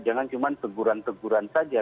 jangan cuma teguran teguran saja